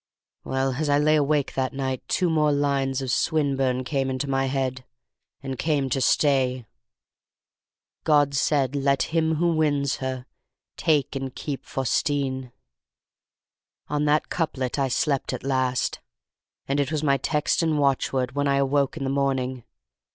"Well, as I lay awake that night, two more lines of Swinburne came into my head, and came to stay: "God said 'Let him who wins her take And keep Faustine.' "On that couplet I slept at last, and it was my text and watchword when I awoke in the morning.